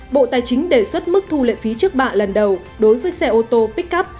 bộ tài chính đề xuất mức thu lệ phí trước bạ lần đầu đối với xe ô tô pick up